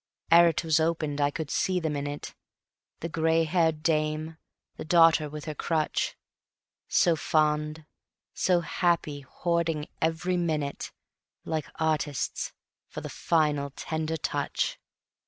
Ere it was opened I would see them in it, The gray haired dame, the daughter with her crutch; So fond, so happy, hoarding every minute, Like artists, for the final tender touch.